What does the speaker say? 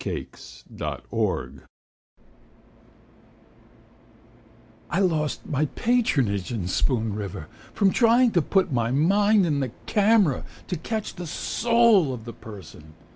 Penniwit, the Artist I lost my patronage in Spoon River From trying to put my mind in the camera To catch the soul of the person.